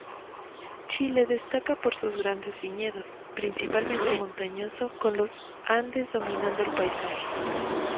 Chile destaca por sus grandes viñedos, principalmente montañoso, con los Andes dominando el paisaje.